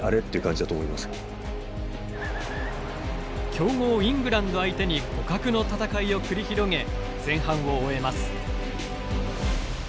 強豪イングランド相手に互角の戦いを繰り広げ前半を終えます。